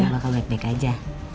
ya lo akan baik baik aja